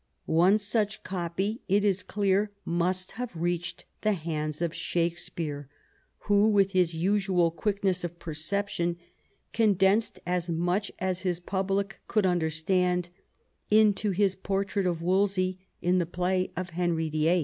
One such copy, it is clear, must hav« reached the hands of Shakespeare, who, with his usual quickness of perception, condensed as much as his public could understand into his portrait of Wolsey in the play of Henry Fill.